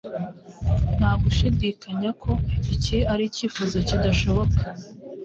Nta gushidikanya ko iki ari icyifuzo kidashoboka,